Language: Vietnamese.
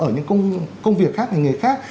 ở những công việc khác hay nghề khác